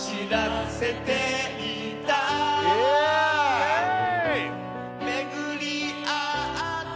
イエーイ